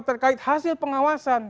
terkait hasil pengawasan